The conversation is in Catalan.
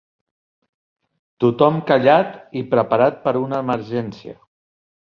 Tothom callat i preparat per una emergència.